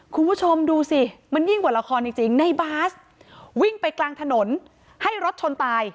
คุณผู้ชมดูสิมันยิ่งกว่าละครจริงในบาสวิ่งไปกลางถนนให้รถชนตาย